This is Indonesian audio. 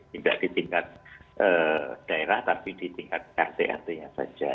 tidak ditingkat daerah tapi ditingkat rt rt nya saja